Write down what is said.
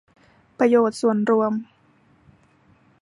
ประโยชน์ส่วนรวม